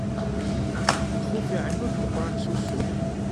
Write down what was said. Lxuf iɛennu-d Meqqran s ussu.